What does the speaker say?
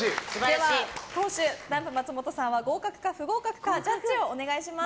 では、党首ダンプ松本さんは合格か不合格かジャッジをお願いします。